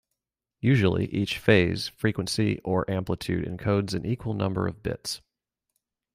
Usually, each phase, frequency or amplitude encodes an equal number of bits.